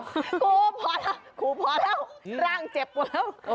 ครูพอแล้วครูพอแล้วร่างเจ็บแล้ว